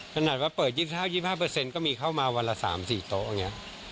ถนัดว่าเปิด๒๕เปอร์เซ็นต์ก็มีเข้ามาวันละ๓๔โต๊ะ